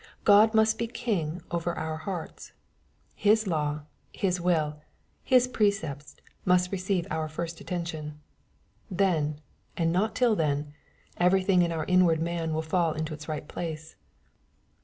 God must be king over our hearts. His law, His will, His precepts must receive our first attention. Then, and not till then, everything in our inward man will fall into its right place.